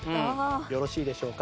よろしいでしょうか？